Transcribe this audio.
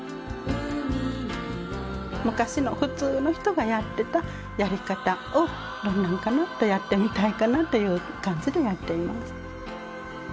昔の普通の人がやってたやり方をどんなんかなとやってみたいかなという感じでやっています。